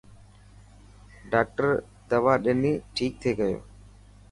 ڊاڪٽر دوا ڏني ٺيڪ ٿي گيو.